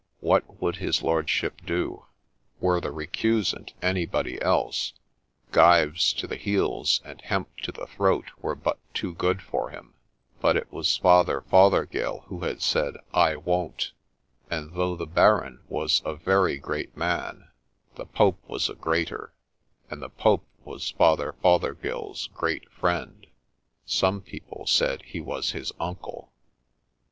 What would his lordship do ? Were the recusant anybody else, gyves to the heels and hemp to the throat were but too good for him : but it was Father Fothergill who had said ' I won't '; and though the Baron was a very great man, the Pope was a greater, and the Pope was Father Fothergill's great friend — some people said he was his uncle.